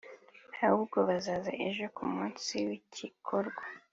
ahubwo bazaza ejo ku munsi w’igikorwa